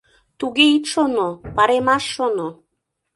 Туге ит шоно, паремаш шоно...